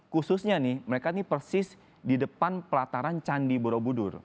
khususnya nih mereka ini persis di depan pelataran candi borobudur